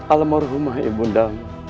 alam merhumah ibunda